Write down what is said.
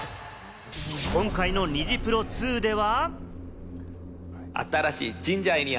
今回のニジプロ２では。